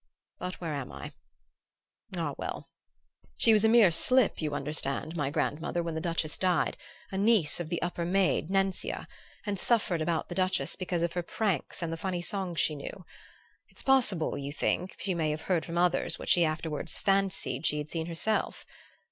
But where am I? Ah, well ... she was a mere slip, you understand, my grandmother, when the Duchess died, a niece of the upper maid, Nencia, and suffered about the Duchess because of her pranks and the funny songs she knew. It's possible, you think, she may have heard from others what she afterward fancied she had seen herself?